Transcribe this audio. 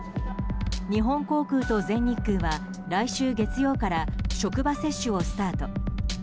日本航空と全日空は来週月曜から職場接種をスタート。